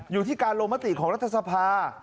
อยู่ที่การลงมติของรัฐสภา